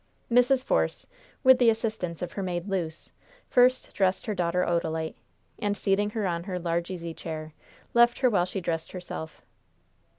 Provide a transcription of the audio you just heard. Mrs. Force, with the assistance of her maid Luce, first dressed her daughter Odalite, and seating her on her large easy chair, left her while she dressed herself.